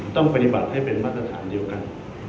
ต้องปฏิบัติให้เป็นมาตรฐานเดียวกัน